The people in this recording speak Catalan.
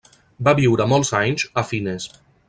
Va viure molts anys a Fines.